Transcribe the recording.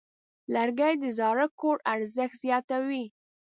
لرګی د زاړه کور ارزښت زیاتوي.